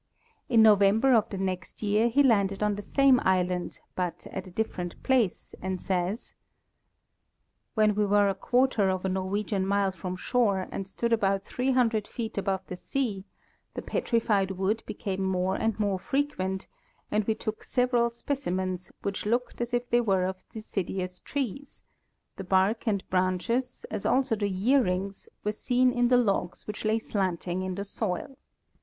In November of the next year he landed on the same island, but at a different place, and says: When we were a quarter of a Norwegian mile from shore and stood about 300 feet above the sea the petrified wood became more and more frequent, and we took several specimens, which looked as if they were of deciduous trees ; the bark and branches, as also the year rings, were seen in the logs which lay slanting in the soil.